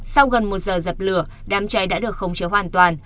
sau gần một giờ dập lửa đám cháy đã được khống chế hoàn toàn